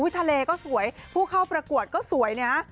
ทะเลก็สวยผู้เข้าประกวดก็สวยนะฮะ